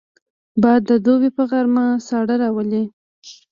باد د دوبي په غرمه ساړه راولي